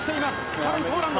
さらにポーランド。